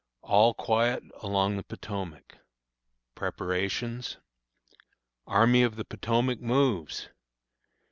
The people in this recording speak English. "All quiet along the Potomac." Preparations. Army of the Potomac Moves!